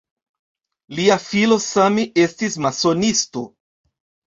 Lia filo same estis masonisto.